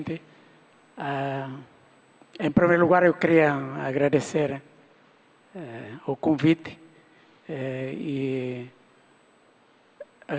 pertama saya ingin mengucapkan terima kasih atas pembawaan saya